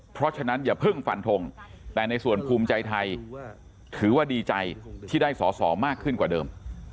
เพราะฉะนั้นอย่าเพิ่งฟันทงแต่ในส่วนภูมิใจไทยถือว่าดีใจที่ได้สอสอมากขึ้นกว่าเดิม